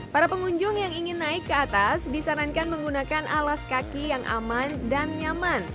para pengunjung yang ingin naik ke atas disarankan menggunakan alas kaki yang aman dan nyaman